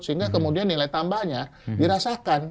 sehingga kemudian nilai tambahnya dirasakan